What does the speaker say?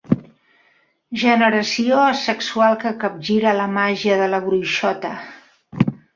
Generació asexual que capgira la màgia de la bruixota.